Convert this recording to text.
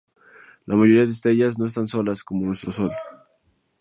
La mayoría de estrellas no están solas como nuestro sol.